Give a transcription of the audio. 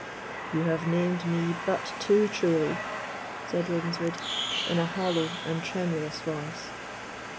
"You have named me but too truly," said Ravenswood, in a hollow and tremulous voice.